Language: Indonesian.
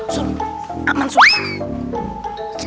sumpah aman sumpah